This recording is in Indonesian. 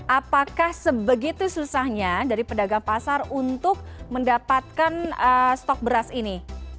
apakah sebegitu susahnya dari pedagang pasar untuk mendapatkan stok beras ini